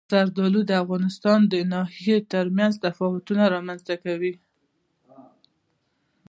زردالو د افغانستان د ناحیو ترمنځ تفاوتونه رامنځ ته کوي.